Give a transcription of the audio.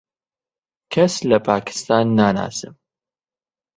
کەس لە پاکستان ناناسم.